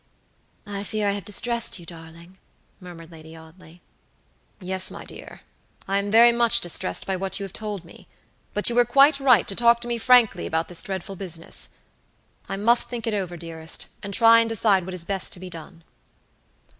"I fear I have distressed you, darling," murmured Lady Audley. "Yes, my dear, I am very much distressed by what you have told me; but you were quite right to talk to me frankly about this dreadful business. I must think it over, dearest, and try and decide what is best to be done."